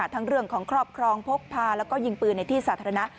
ทั้งเรื่องของครอบครองพกพาแล้วก็ยิงปืนในที่สาธารณะ